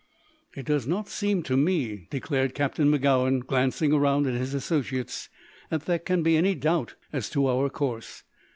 "It does not seem to me," declared Captain Magowan, glancing around at his associates, "that there can be any doubt as to our course.